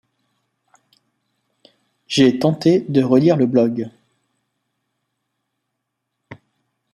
J'ai tenté de relire le blog.